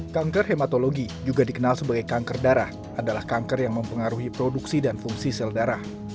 kanker hematologi juga dikenal sebagai kanker darah adalah kanker yang mempengaruhi produksi dan fungsi sel darah